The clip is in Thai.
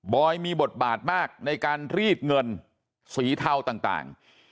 อยมีบทบาทมากในการรีดเงินสีเทาต่าง